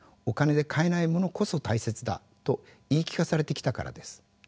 「お金で買えないものこそ大切だ」と言い聞かされてきたからです。